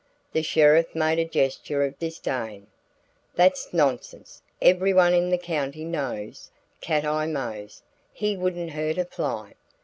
The sheriff made a gesture of disdain. "That's nonsense. Everyone in the county knows Cat Eye Mose. He wouldn't hurt a fly.